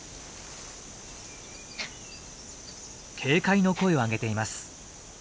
警戒の声を上げています。